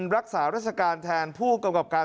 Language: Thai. รักษาราชการแทนผู้กำกับการ